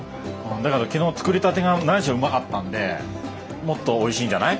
だから昨日作りたてがなにしろうまかったんでもっとおいしいんじゃない？